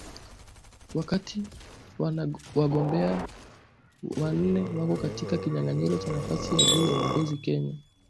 Wakati wagombea wanne wako katika kinyang’anyiro cha nafasi ya juu ya uongozi Kenya